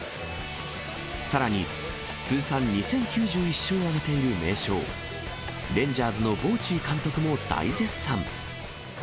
さらに通算２０９１勝を挙げている名将、レンジャーズのボウチー監督も大絶賛。